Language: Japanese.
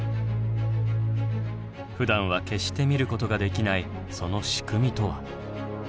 ふだんは決して見ることができないその仕組みとは。